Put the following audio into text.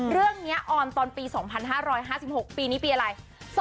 เรื่องนี้ออนตอนปี๒๕๕๖ปีนี้ปีอะไร๒๕๖๖